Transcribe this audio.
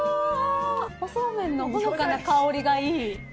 おそうめんのほのかな香りがいい。